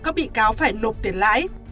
các bị cáo phải nộp tiền lãi